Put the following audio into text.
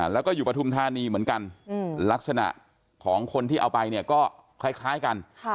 แล้วก็อยู่ปฐุมธานีเหมือนกันลักษณะของคนที่เอาไปเนี่ยก็คล้ายกัน